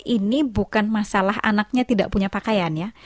ini bukan masalah anaknya tidak punya pakaian ya